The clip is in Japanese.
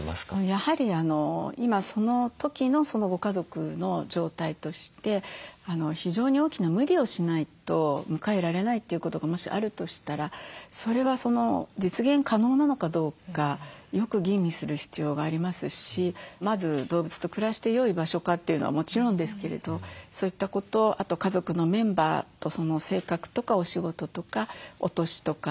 やはり今その時のご家族の状態として非常に大きな無理をしないと迎えられないということがもしあるとしたらそれは実現可能なのかどうかよく吟味する必要がありますしまず動物と暮らしてよい場所かというのはもちろんですけれどそういったことあと家族のメンバーとその性格とかお仕事とかお年とか。